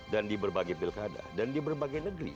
dan di berbagai pilkada dan di berbagai negeri